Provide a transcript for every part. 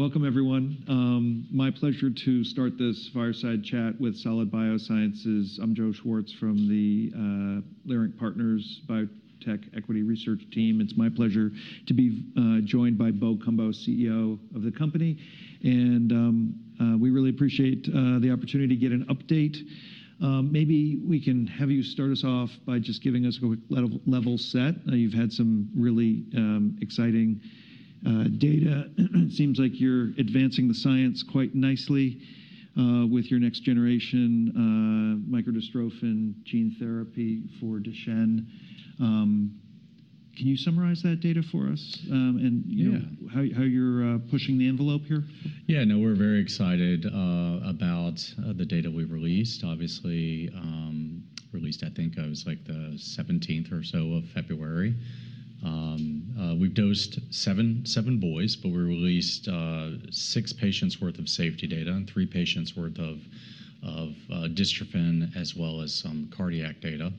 Welcome, everyone. My pleasure to start this fireside chat with Solid Biosciences. I'm Joe Schwartz from the Leerink Partners Biotech Equity Research team. It's my pleasure to be joined by Bo Cumbo, CEO of the company. We really appreciate the opportunity to get an update. Maybe we can have you start us off by just giving us a quick level set. You've had some really exciting data. It seems like you're advancing the science quite nicely with your next generation microdystrophin gene therapy for Duchenne. Can you summarize that data for us and how you're pushing the envelope here? Yeah, no, we're very excited about the data we released. Obviously, released, I think, it was like the 17th or so of February. We've dosed seven boys, but we released six patients' worth of safety data and three patients' worth of dystrophin, as well as some cardiac data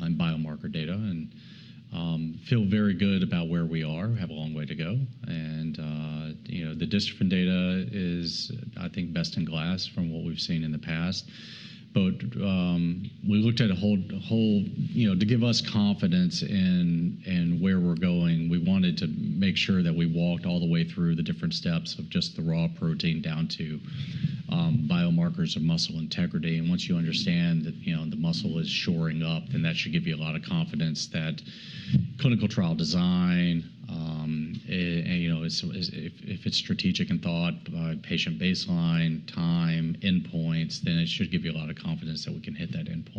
and biomarker data. I feel very good about where we are. We have a long way to go. The dystrophin data is, I think, best in class from what we've seen in the past. We looked at a whole to give us confidence in where we're going, we wanted to make sure that we walked all the way through the different steps of just the raw protein down to biomarkers of muscle integrity. Once you understand that the muscle is shoring up, that should give you a lot of confidence that clinical trial design, if it's strategic and thought, patient baseline, time, endpoints, then it should give you a lot of confidence that we can hit that endpoint.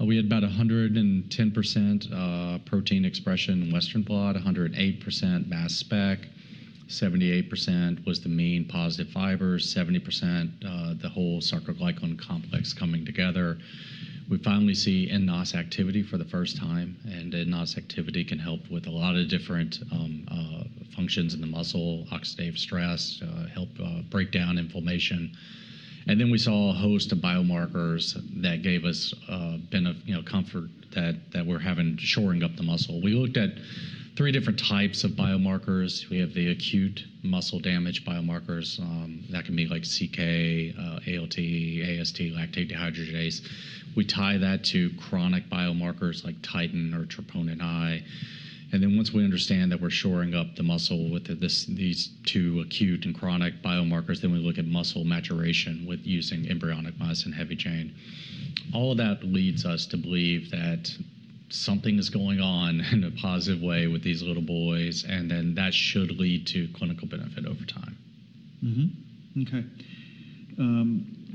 We had about 110% protein expression in Western blot, 108% mass spec, 78% was the mean positive fibers, 70% the whole sarcoglycan complex coming together. We finally see NOS activity for the first time. NOS activity can help with a lot of different functions in the muscle, oxidative stress, help break down inflammation. We saw a host of biomarkers that gave us comfort that we're having shoring up the muscle. We looked at three different types of biomarkers. We have the acute muscle damage biomarkers. That can be like CK, ALT, AST, lactate dehydrogenase. We tie that to chronic biomarkers like Titin or Troponin I. Once we understand that we're shoring up the muscle with these two acute and chronic biomarkers, we look at muscle maturation with using embryonic myosin and heavy chain. All of that leads us to believe that something is going on in a positive way with these little boys. That should lead to clinical benefit over time. Okay.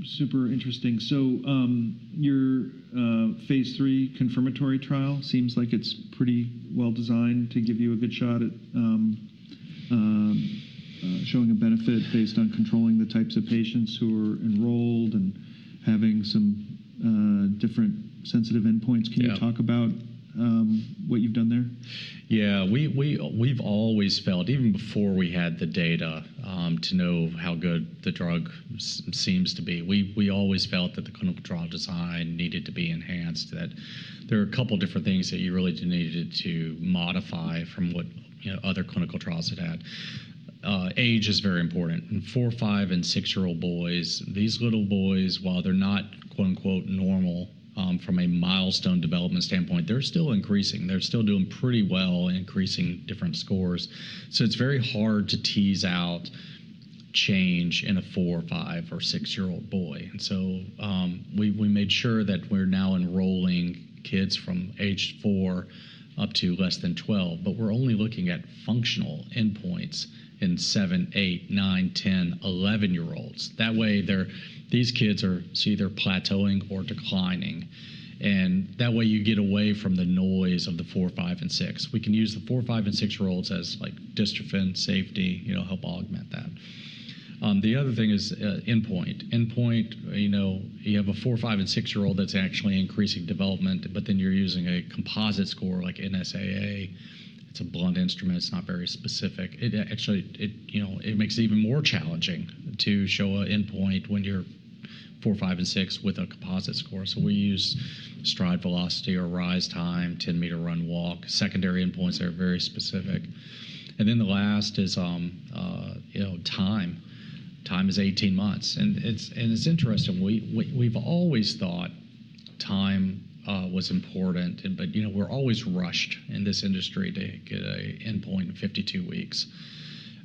Super interesting. Your phase III confirmatory trial seems like it's pretty well designed to give you a good shot at showing a benefit based on controlling the types of patients who are enrolled and having some different sensitive endpoints. Can you talk about what you've done there? Yeah. We've always felt, even before we had the data to know how good the drug seems to be, we always felt that the clinical trial design needed to be enhanced, that there are a couple of different things that you really needed to modify from what other clinical trials had had. Age is very important. And four, five, and six-year-old boys, these little boys, while they're not "normal" from a milestone development standpoint, they're still increasing. They're still doing pretty well, increasing different scores. So it's very hard to tease out change in a four, five, or six-year-old boy. We made sure that we're now enrolling kids from age four up to less than 12, but we're only looking at functional endpoints in seven, eight, nine, ten, eleven-year-olds. That way, these kids are either plateauing or declining. That way, you get away from the noise of the four, five, and six. We can use the four, five, and six-year-olds as dystrophin, safety, help augment that. The other thing is endpoint. Endpoint, you have a four, five, and six-year-old that's actually increasing development, but then you're using a composite score like NSAA. It's a blunt instrument. It's not very specific. Actually, it makes it even more challenging to show an endpoint when you're four, five, and six with a composite score. We use stride velocity or rise time, 10-meter run/walk, secondary endpoints that are very specific. The last is time. Time is 18 months. It's interesting. We've always thought time was important, but we're always rushed in this industry to get an endpoint in 52 weeks.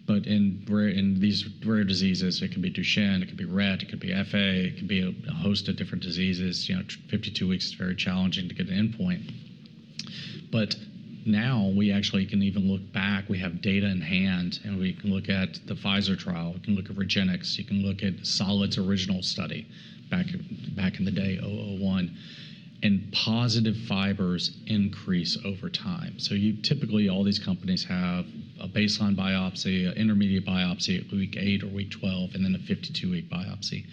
In these rare diseases, it can be Duchenne, it can be Rett, it can be FA, it can be a host of different diseases. Fifty-two weeks is very challenging to get an endpoint. Now we actually can even look back. We have data in hand, and we can look at the Pfizer trial. We can look at REGENXBIO. You can look at Solid's original study back in the day, 2001. Positive fibers increase over time. Typically, all these companies have a baseline biopsy, an intermediate biopsy at week 8 or week 12, and then a 52-week biopsy.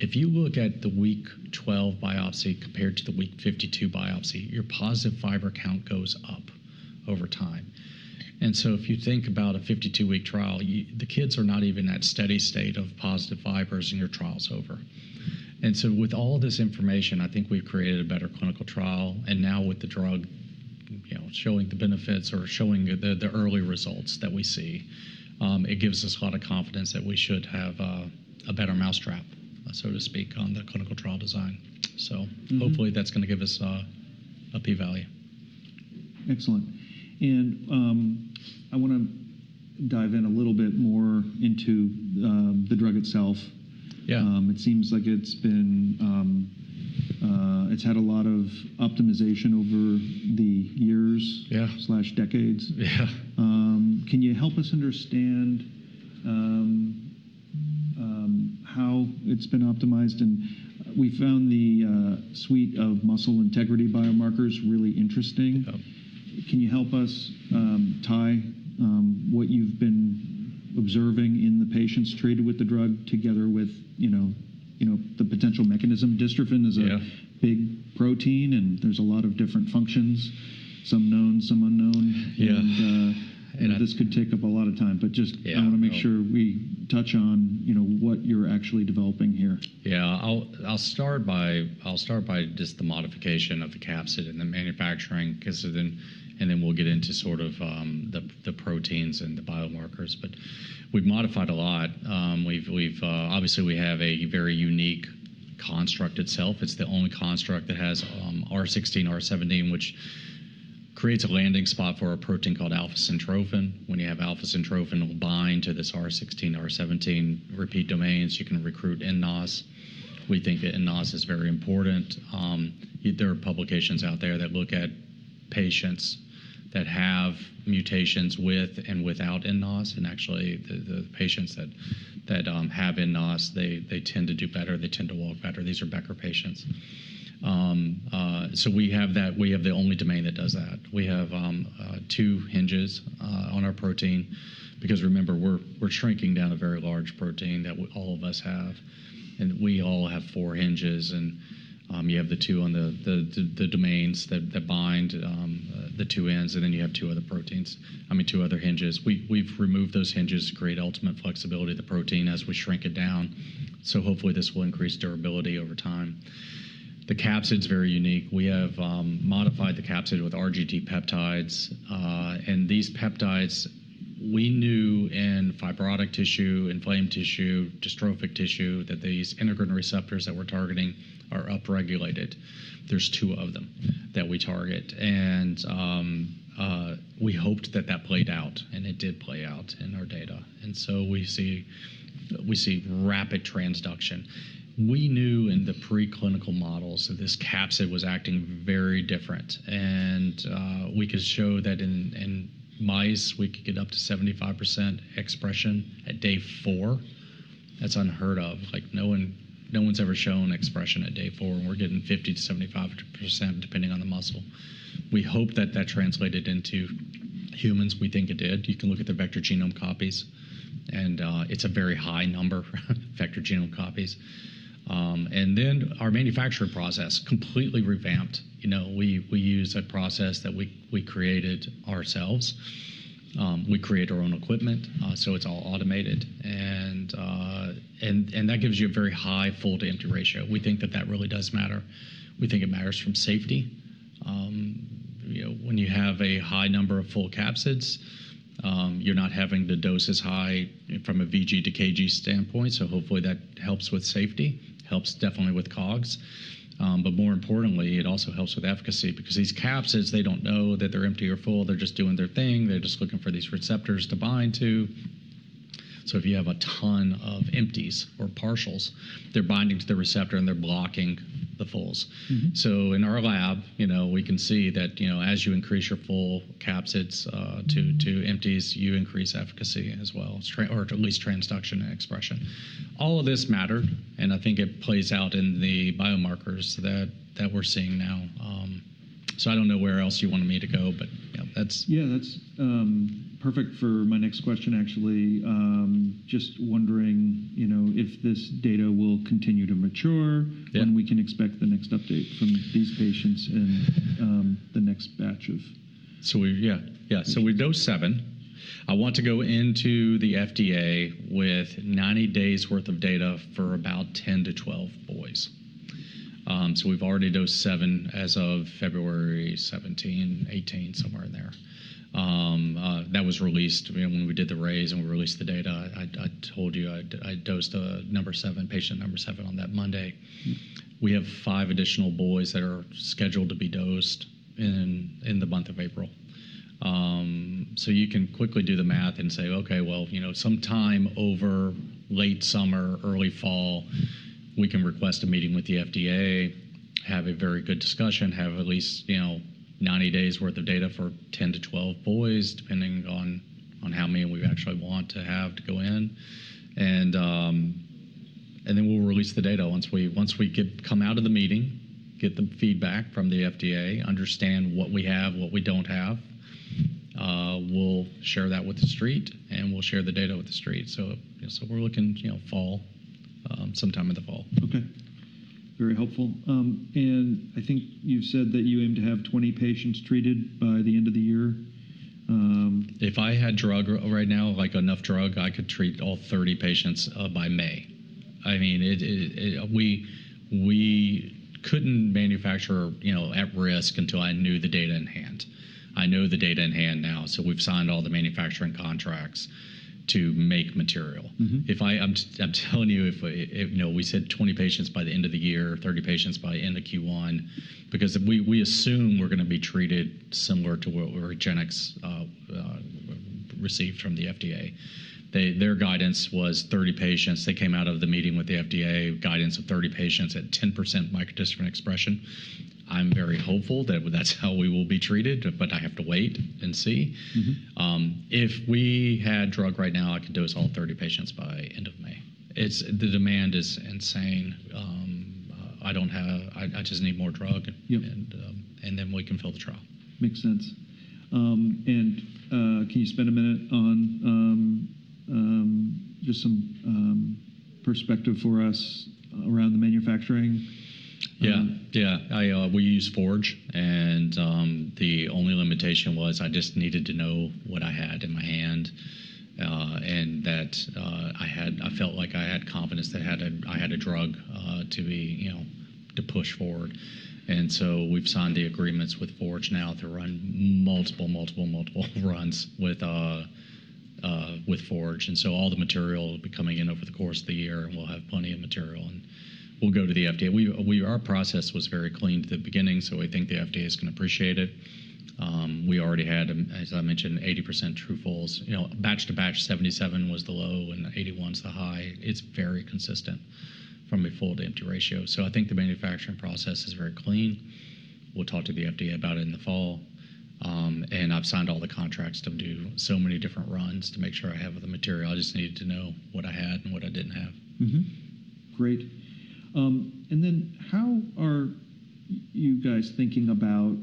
If you look at the week 12 biopsy compared to the week 52 biopsy, your positive fiber count goes up over time. If you think about a 52-week trial, the kids are not even at steady state of positive fibers, and your trial's over. With all this information, I think we've created a better clinical trial. Now with the drug showing the benefits or showing the early results that we see, it gives us a lot of confidence that we should have a better mousetrap, so to speak, on the clinical trial design. Hopefully, that's going to give us a P-value. Excellent. I want to dive in a little bit more into the drug itself. It seems like it's had a lot of optimization over the years, decades. Can you help us understand how it's been optimized? We found the suite of muscle integrity biomarkers really interesting. Can you help us tie what you've been observing in the patients treated with the drug together with the potential mechanism? Dystrophin is a big protein, and there's a lot of different functions, some known, some unknown. This could take up a lot of time, but I just want to make sure we touch on what you're actually developing here. Yeah. I'll start by just the modification of the capsid and the manufacturing, and then we'll get into sort of the proteins and the biomarkers. We've modified a lot. Obviously, we have a very unique construct itself. It's the only construct that has R16, R17, which creates a landing spot for a protein called Alpha-syntrophin. When you have Alpha-syntrophin, it will bind to this R16, R17 repeat domains. You can recruit NOS. We think that NOS is very important. There are publications out there that look at patients that have mutations with and without NOS. Actually, the patients that have NOS, they tend to do better. They tend to walk better. These are Becker patients. We have the only domain that does that. We have two hinges on our protein because, remember, we're shrinking down a very large protein that all of us have. We all have four hinges. You have the two on the domains that bind the two ends, and then you have two other hinges. We've removed those hinges to create ultimate flexibility of the protein as we shrink it down. Hopefully, this will increase durability over time. The capsid is very unique. We have modified the capsid with RGD peptides. These peptides, we knew in fibrotic tissue, inflamed tissue, dystrophic tissue, that these integrin receptors that we're targeting are upregulated. There are two of them that we target. We hoped that that played out, and it did play out in our data. We see rapid transduction. We knew in the preclinical models that this capsid was acting very different. We could show that in mice, we could get up to 75% expression at day four. That's unheard of. No one's ever shown expression at day four, and we're getting 50-75% depending on the muscle. We hope that that translated into humans. We think it did. You can look at the vector genome copies, and it's a very high number, vector genome copies. Our manufacturing process completely revamped. We use a process that we created ourselves. We create our own equipment, so it's all automated. That gives you a very high full-to-empty ratio. We think that that really does matter. We think it matters from safety. When you have a high number of full capsids, you're not having to dose as high from a VG to KG standpoint. Hopefully, that helps with safety, helps definitely with COGS. More importantly, it also helps with efficacy because these capsids, they don't know that they're empty or full. They're just doing their thing. They're just looking for these receptors to bind to. If you have a ton of empties or partials, they're binding to the receptor, and they're blocking the fulls. In our lab, we can see that as you increase your full capsids to empties, you increase efficacy as well, or at least transduction and expression. All of this mattered, and I think it plays out in the biomarkers that we're seeing now. I don't know where else you want me to go, but that's. Yeah, that's perfect for my next question, actually. Just wondering if this data will continue to mature when we can expect the next update from these patients in the next batch. Yeah, yeah. We dose seven. I want to go into the FDA with 90 days' worth of data for about 10-12 boys. We've already dosed seven as of February 17, 18, somewhere in there. That was released when we did the raise and we released the data. I told you I dosed the number seven, patient number seven, on that Monday. We have five additional boys that are scheduled to be dosed in the month of April. You can quickly do the math and say, "Okay, sometime over late summer, early fall, we can request a meeting with the FDA, have a very good discussion, have at least 90 days' worth of data for 10-12 boys, depending on how many we actually want to have to go in." We'll release the data once we come out of the meeting, get the feedback from the FDA, understand what we have, what we don't have. We'll share that with the street, and we'll share the data with the street. We're looking sometime in the fall. Okay. Very helpful. I think you said that you aim to have 20 patients treated by the end of the year. If I had drug right now, enough drug, I could treat all 30 patients by May. I mean, we could not manufacture at risk until I knew the data in hand. I know the data in hand now. We have signed all the manufacturing contracts to make material. I am telling you, we said 20 patients by the end of the year, 30 patients by the end of Q1 because we assume we are going to be treated similar to what REGENXBIO received from the FDA. Their guidance was 30 patients. They came out of the meeting with the FDA, guidance of 30 patients at 10% microdystrophin expression. I am very hopeful that is how we will be treated, but I have to wait and see. If we had drug right now, I could dose all 30 patients by end of May. The demand is insane. I just need more drug, and then we can fill the trial. Makes sense. Can you spend a minute on just some perspective for us around the manufacturing? Yeah. Yeah. We use Forge, and the only limitation was I just needed to know what I had in my hand and that I felt like I had confidence that I had a drug to push forward. We have signed the agreements with Forge now to run multiple, multiple, multiple runs with Forge. All the material will be coming in over the course of the year, and we will have plenty of material. We will go to the FDA. Our process was very clean to the beginning, so we think the FDA is going to appreciate it. We already had, as I mentioned, 80% true-fulls. Batch to batch, 77 was the low, and 81 is the high. It is very consistent from a full-to-empty ratio. I think the manufacturing process is very clean. We will talk to the FDA about it in the fall. I've signed all the contracts to do so many different runs to make sure I have the material. I just needed to know what I had and what I didn't have. Great. How are you guys thinking about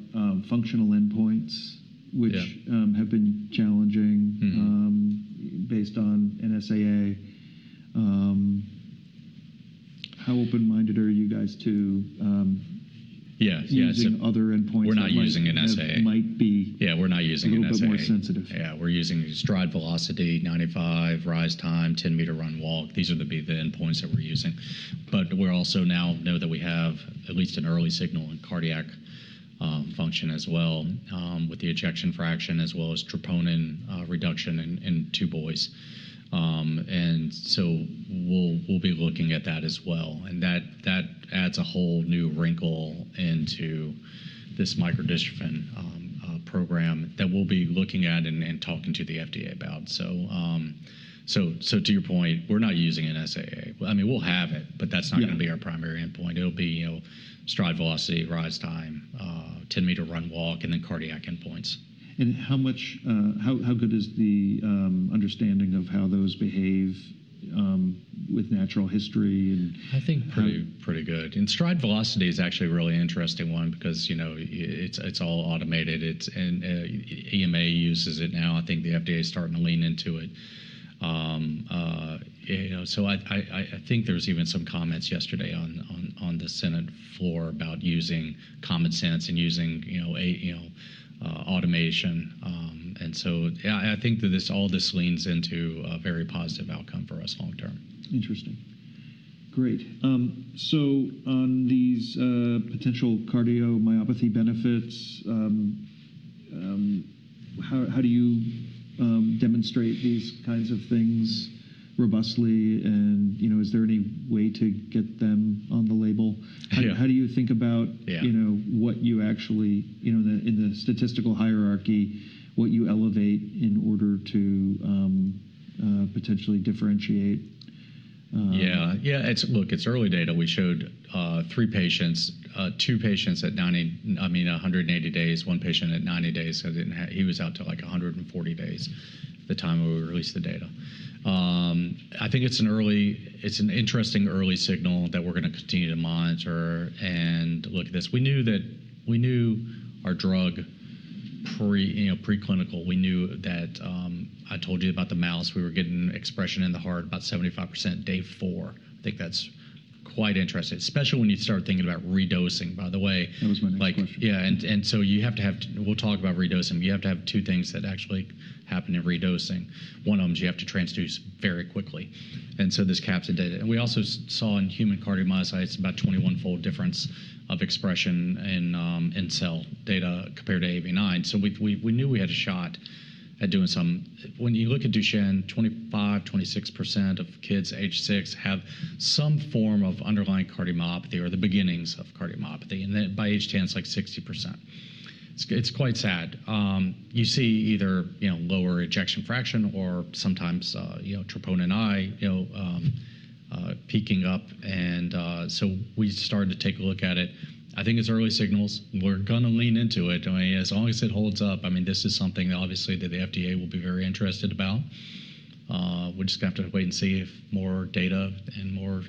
functional endpoints, which have been challenging based on NSAA? How open-minded are you guys to using other endpoints that might be? Yeah, we're not using NSAA. A little bit more sensitive. Yeah. We're using stride velocity 95, rise time, 10-meter run/walk. These would be the endpoints that we're using. We also now know that we have at least an early signal in cardiac function as well with the ejection fraction as well as troponin reduction in two boys. We will be looking at that as well. That adds a whole new wrinkle into this microdystrophin program that we'll be looking at and talking to the FDA about. To your point, we're not using NSAA. I mean, we'll have it, but that's not going to be our primary endpoint. It'll be stride velocity, rise time, 10-meter run/walk, and then cardiac endpoints. How good is the understanding of how those behave with natural history? I think pretty good. Stride velocity is actually a really interesting one because it's all automated. EMA uses it now. I think the FDA is starting to lean into it. I think there was even some comments yesterday on the Senate floor about using common sense and using automation. I think all this leans into a very positive outcome for us long-term. Interesting. Great. On these potential cardiomyopathy benefits, how do you demonstrate these kinds of things robustly? Is there any way to get them on the label? How do you think about what you actually, in the statistical hierarchy, what you elevate in order to potentially differentiate? Yeah. Yeah. Look, it's early data. We showed three patients, two patients at 180 days, one patient at 90 days. He was out to like 140 days at the time we released the data. I think it's an interesting early signal that we're going to continue to monitor and look at this. We knew our drug preclinical, we knew that I told you about the mouse. We were getting expression in the heart about 75% day four. I think that's quite interesting, especially when you start thinking about redosing, by the way. That was my next question. Yeah. You have to have, we'll talk about redosing. You have to have two things that actually happen in redosing. One of them is you have to transduce very quickly. This capsid data. We also saw in human cardiomyocytes about 21-fold difference of expression in cell data compared to AAV9. We knew we had a shot at doing some. When you look at Duchenne, 25%-26% of kids age 6 have some form of underlying cardiomyopathy or the beginnings of cardiomyopathy. By age 10, it's like 60%. It's quite sad. You see either lower ejection fraction or sometimes troponin I peaking up. We started to take a look at it. I think it's early signals. We're going to lean into it. As long as it holds up, I mean, this is something obviously that the FDA will be very interested about. We're just going to have to wait and see if more data and more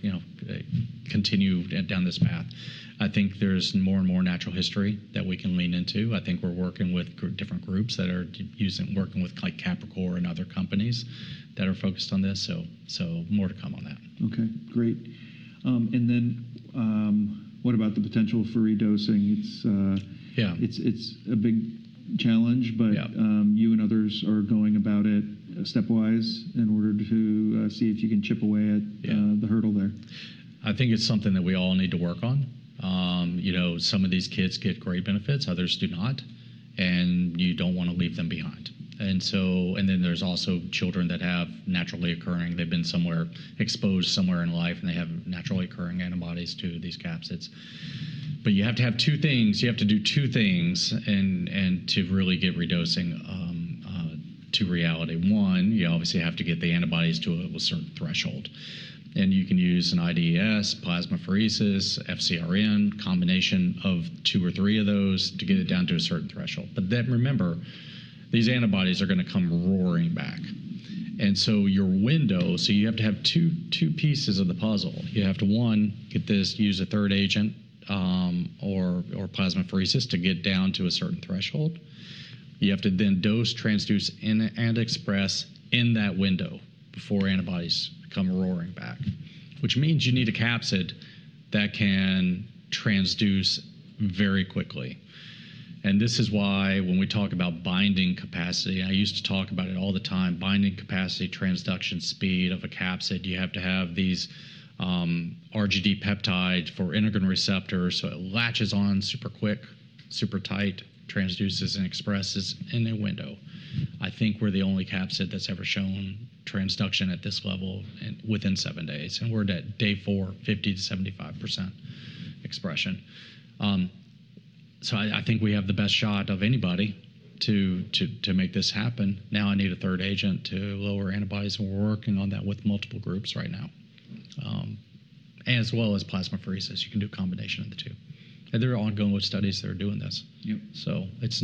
continue down this path. I think there's more and more natural history that we can lean into. I think we're working with different groups that are working with Capricor and other companies that are focused on this. More to come on that. Okay. Great. What about the potential for redosing? It's a big challenge, but you and others are going about it stepwise in order to see if you can chip away at the hurdle there. I think it's something that we all need to work on. Some of these kids get great benefits. Others do not. You don't want to leave them behind. There are also children that have naturally occurring, they've been exposed somewhere in life, and they have naturally occurring antibodies to these capsids. You have to have two things. You have to do two things to really get redosing to reality. One, you obviously have to get the antibodies to a certain threshold. You can use an IdeS, plasmapheresis, FcRn, combination of two or three of those to get it down to a certain threshold. Remember, these antibodies are going to come roaring back. Your window, you have to have two pieces of the puzzle. You have to, one, use a third agent or plasmapheresis to get down to a certain threshold. You have to then dose, transduce, and express in that window before antibodies come roaring back, which means you need a capsid that can transduce very quickly. This is why when we talk about binding capacity, I used to talk about it all the time, binding capacity, transduction speed of a capsid. You have to have these RGD peptides for integrin receptors. It latches on super quick, super tight, transduces and expresses in a window. I think we're the only capsid that's ever shown transduction at this level within seven days. We're at day four, 50-75% expression. I think we have the best shot of anybody to make this happen. Now I need a third agent to lower antibodies. We're working on that with multiple groups right now, as well as plasmapheresis. You can do a combination of the two. They're ongoing with studies that are doing this. It's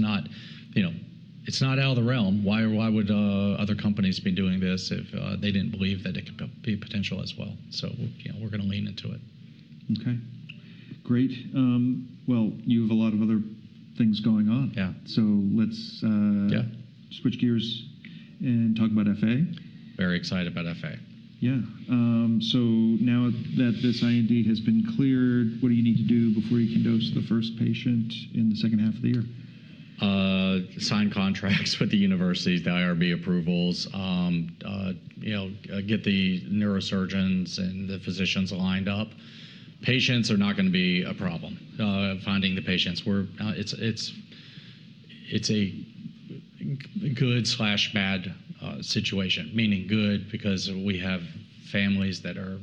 not out of the realm. Why would other companies be doing this if they didn't believe that it could be potential as well? We're going to lean into it. Okay. Great. You have a lot of other things going on. Let's switch gears and talk about FA. Very excited about FA. Yeah. Now that this IND has been cleared, what do you need to do before you can dose the first patient in the second half of the year? Sign contracts with the universities, the IRB approvals, get the Neurosurgeons and the Physicians lined up. Patients are not going to be a problem finding the patients. It's a good/bad situation, meaning good because we have families that are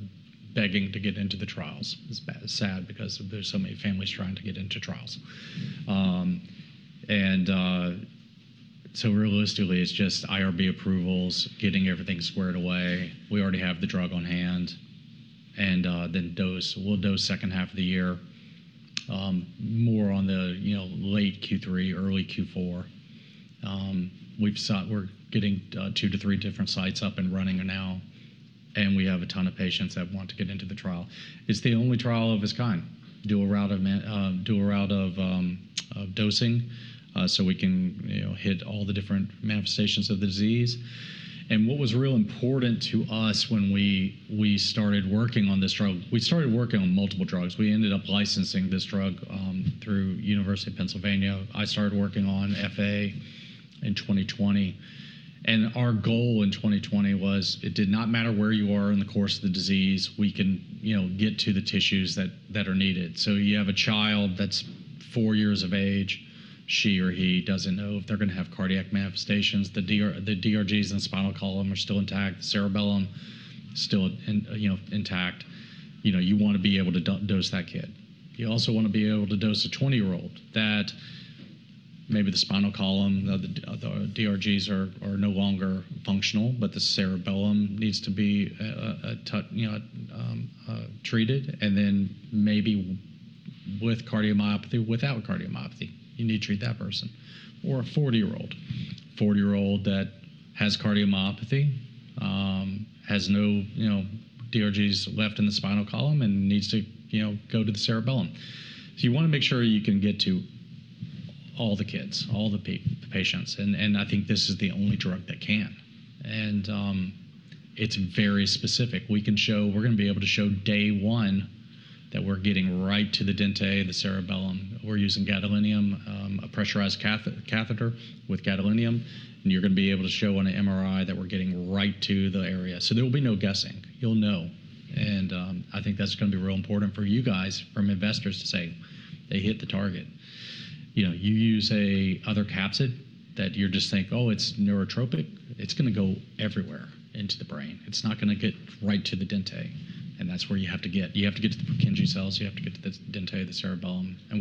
begging to get into the trials. It's sad because there's so many families trying to get into trials. Realistically, it's just IRB approvals, getting everything squared away. We already have the drug on hand. We'll dose second half of the year, more on the late Q3, early Q4. We're getting two to three different sites up and running now. We have a ton of patients that want to get into the trial. It's the only trial of its kind, dual route of dosing so we can hit all the different manifestations of the disease. What was real important to us when we started working on this drug, we started working on multiple drugs. We ended up licensing this drug through University of Pennsylvania. I started working on FA in 2020. Our goal in 2020 was it did not matter where you are in the course of the disease, we can get to the tissues that are needed. You have a child that's four years of age. She or he doesn't know if they're going to have cardiac manifestations. The DRGs in the spinal column are still intact. The cerebellum is still intact. You want to be able to dose that kid. You also want to be able to dose a 20-year-old. Maybe the spinal column, the DRGs are no longer functional, but the cerebellum needs to be treated. Maybe with cardiomyopathy, without cardiomyopathy, you need to treat that person. Or a 40-year-old, 40-year-old that has cardiomyopathy, has no DRGs left in the spinal column and needs to go to the cerebellum. You want to make sure you can get to all the kids, all the patients. I think this is the only drug that can. It is very specific. We are going to be able to show day one that we are getting right to the dentate, the cerebellum. We are using gadolinium, a pressurized catheter with gadolinium. You are going to be able to show on an MRI that we are getting right to the area. There will be no guessing. You will know. I think that is going to be real important for you guys from investors to say they hit the target. You use another capsid that you just think, "Oh, it's neurotropic." It's going to go everywhere into the brain. It's not going to get right to the dentate. That is where you have to get. You have to get to the Purkinje cells. You have to get to the dentate, the cerebellum. We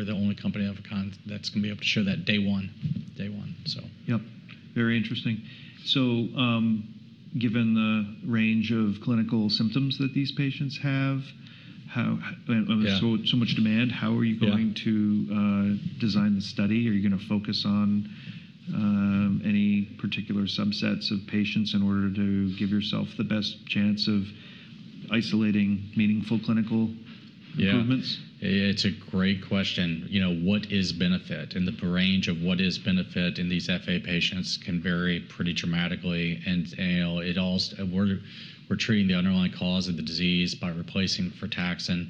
are the only company of a kind that is going to be able to show that day one, day one. Yep. Very interesting. Given the range of clinical symptoms that these patients have and so much demand, how are you going to design the study? Are you going to focus on any particular subsets of patients in order to give yourself the best chance of isolating meaningful clinical improvements? Yeah. It's a great question. What is benefit? The range of what is benefit in these FA patients can vary pretty dramatically. We're treating the underlying cause of the disease by replacing frataxin.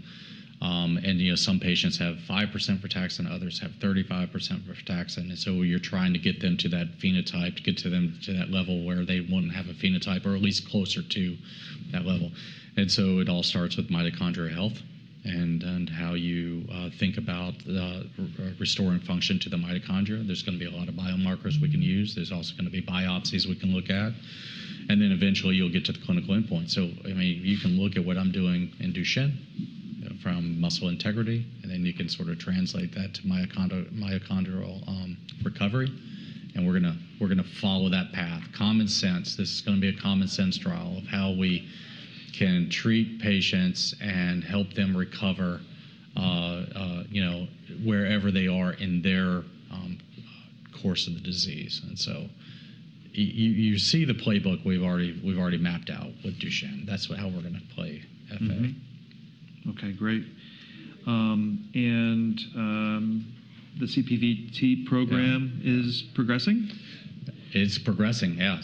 Some patients have 5% frataxin. Others have 35% frataxin. You're trying to get them to that phenotype, get to that level where they wouldn't have a phenotype or at least closer to that level. It all starts with Mitochondrial Health and how you think about restoring function to the mitochondria. There's going to be a lot of biomarkers we can use. There's also going to be biopsies we can look at. Eventually, you'll get to the clinical endpoint. I mean, you can look at what I'm doing in Duchenne from muscle integrity. You can sort of translate that to mitochondrial recovery. We're going to follow that path. Common sense. This is going to be a common sense trial of how we can treat patients and help them recover wherever they are in their course of the disease. You see the playbook we've already mapped out with Duchenne. That's how we're going to play FA. Okay. Great. The CPVT program is progressing? It's progressing, yeah.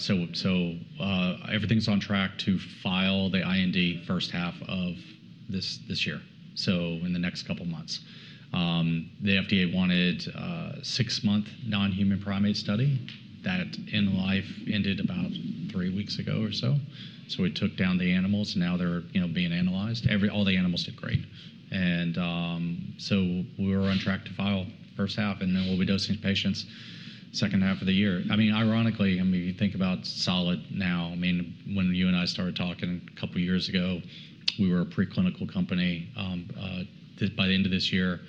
Everything's on track to file the IND first half of this year, in the next couple of months. The FDA wanted a six-month non-human primate study that ended about three weeks ago or so. We took down the animals. Now they're being analyzed. All the animals did great. We're on track to file first half. We'll be dosing patients second half of the year. I mean, ironically, you think about Solid now. I mean, when you and I started talking a couple of years ago, we were a preclinical company. By the end of this year,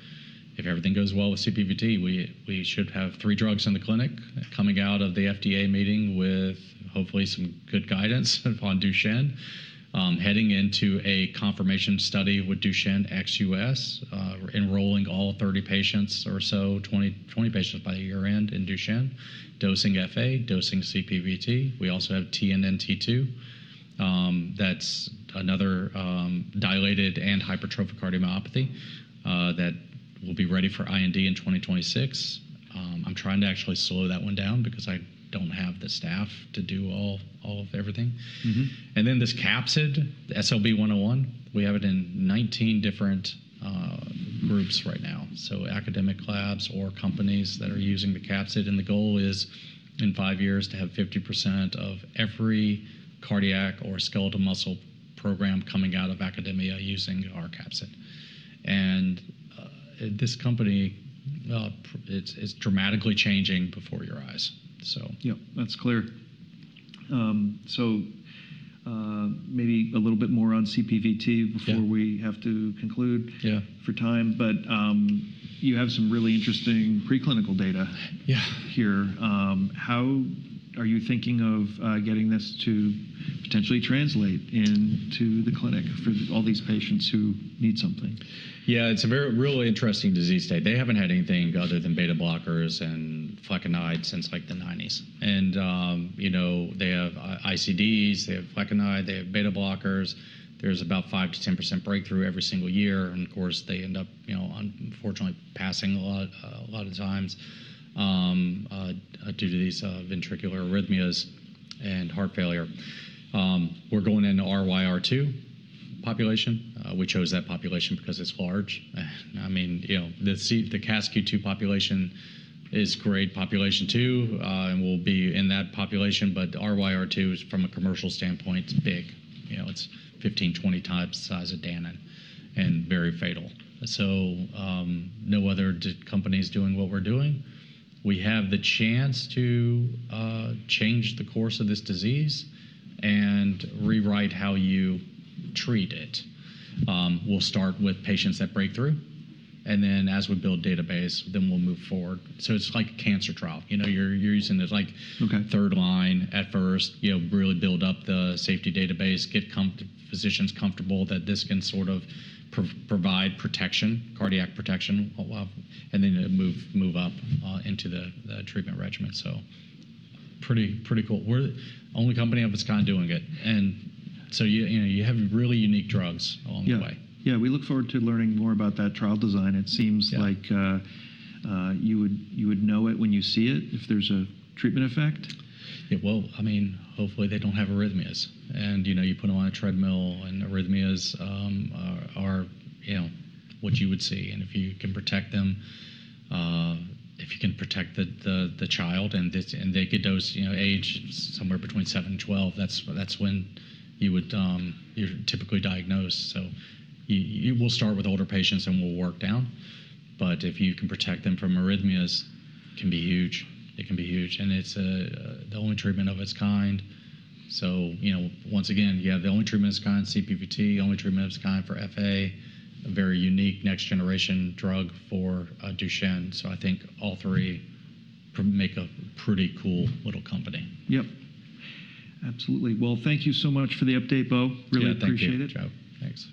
if everything goes well with CPVT, we should have three drugs in the clinic coming out of the FDA meeting with hopefully some good guidance upon Duchenne, heading into a confirmation study with Duchenne ex-US, enrolling all 30 patients or so, 20 patients by year-end in Duchenne, dosing FA, dosing CPVT. We also have TNNT2. That's another dilated and hypertrophic cardiomyopathy that will be ready for IND in 2026. I'm trying to actually slow that one down because I don't have the staff to do all of everything. This capsid, SLB 101, we have it in 19 different groups right now. Academic labs or companies are using the capsid. The goal is in five years to have 50% of every cardiac or skeletal muscle program coming out of academia using our capsid. This company, it's dramatically changing before your eyes. Yep. That's clear. Maybe a little bit more on CPVT before we have to conclude for time. You have some really interesting preclinical data here. How are you thinking of getting this to potentially translate into the clinic for all these patients who need something? Yeah. It's a real interesting disease state. They haven't had anything other than beta-blockers and flecainide since like the 1990s. They have ICDs. They have flecainide. They have beta-blockers. There's about 5-10% breakthrough every single year. Of course, they end up, unfortunately, passing a lot of times due to these ventricular arrhythmias and heart failure. We're going into RYR2 population. We chose that population because it's large. I mean, the CaSQ2 population is great population too and will be in that population. RYR2, from a commercial standpoint, it's big. It's 15-20 times the size of Danon and very fatal. No other companies doing what we're doing. We have the chance to change the course of this disease and rewrite how you treat it. We'll start with patients that break through. As we build a database, then we'll move forward. It's like a cancer trial. You're using it like third line at first, really build up the safety database, get physicians comfortable that this can sort of provide protection, cardiac protection, and then move up into the treatment regimen. Pretty cool. Only company I've ever seen doing it. You have really unique drugs along the way. Yeah. Yeah. We look forward to learning more about that trial design. It seems like you would know it when you see it if there's a treatment effect. It will. I mean, hopefully, they don't have arrhythmias. You put them on a treadmill, and arrhythmias are what you would see. If you can protect them, if you can protect the child and they get dosed age somewhere between 7 and 12, that's when you would typically diagnose. We will start with older patients and we will work down. If you can protect them from arrhythmias, it can be huge. It can be huge. It is the only treatment of its kind. Once again, the only treatment of its kind, CPVT, the only treatment of its kind for FA, a very unique next-generation drug for Duchenne. I think all three make a pretty cool little company. Yep. Absolutely. Thank you so much for the update, Bo. Really appreciate it. You bet. Thank you, Joe. Thanks.